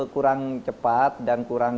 kurang cepat dan kurang